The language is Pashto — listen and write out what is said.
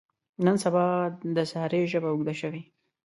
نن سبا د سارې ژبه اوږده شوې.